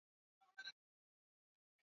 Ameleta begi jipya.